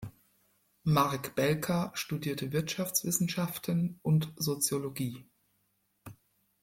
Marek Belka studierte Wirtschaftswissenschaften und Soziologie.